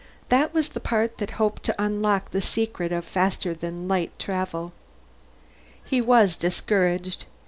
That was the part that hoped to unlock the secret of faster than light travel. He was discouraged.